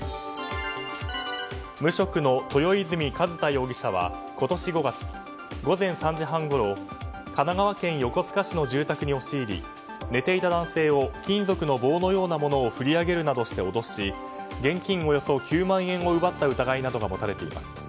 無職の豊泉寿太容疑者は今年５月午前３時半ごろ神奈川県横須賀市の住宅に押し入り寝ていた男性を金属の棒のようなものを振り上げるなどして脅し現金およそ９万円を奪った疑いなどが持たれています。